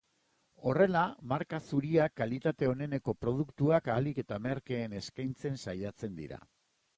Horrela, marka zuriak kalitate oneneko produktuak ahalik eta merkeen eskaintzen saiatzen dira.